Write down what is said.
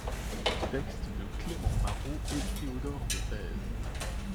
Textes de Clément Marot et Théodore de Bèze.